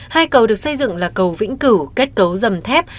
hai cầu được xây dựng là cầu vĩnh cửu kết cấu dầm thép